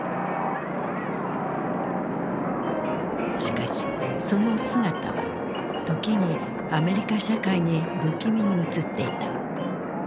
しかしその姿は時にアメリカ社会に不気味に映っていた。